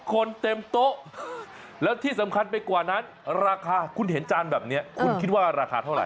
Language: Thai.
คนเต็มโต๊ะแล้วที่สำคัญไปกว่านั้นราคาคุณเห็นจานแบบนี้คุณคิดว่าราคาเท่าไห